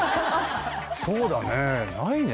そうだねないね。